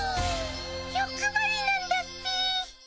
よくばりなんだっピ。